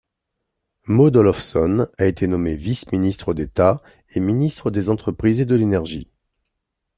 Maud Olofsson a été nommée vice-ministre d'État et ministre des Entreprises et de l'Énergie.